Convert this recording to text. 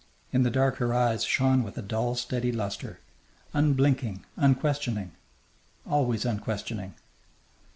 In the dark her eyes shone with a dull, steady lustre, unblinking, unquestioning, always unquestioning.